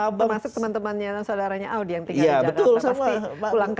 masa teman temannya saudaranya audi yang tinggal di jakarta pasti pulang kampung kan